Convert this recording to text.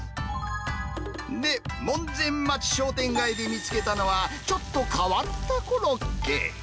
で、門前町商店街で見つけたのは、ちょっと変わったコロッケ。